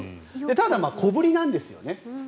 ただ、小ぶりなんですよね。